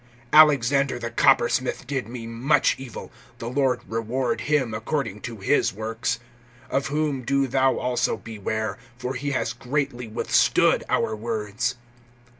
(14)Alexander the coppersmith did me much evil; the Lord reward him according to his works. (15)Of whom do thou also beware; for he has greatly withstood our words.